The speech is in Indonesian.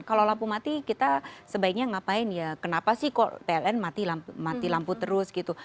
kalau lampu mati kita sebaiknya ngapain ya kenapa sih kok pln mati lampu terus gitu